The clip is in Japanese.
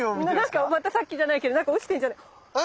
またさっきじゃないけど何か落ちてるんじゃないか。